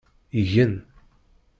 Igen.